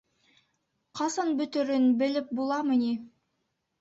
— Ҡасан бөтөрөн белеп буламы ни?